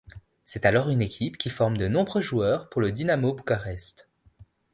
C'est alors une équipe qui forme de nombreux joueurs pour le Dinamo Bucarest.